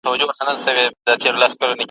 له پېزوانه اوښکي څاڅي د پاولیو جنازې دي `